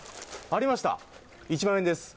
ありました、一万円です。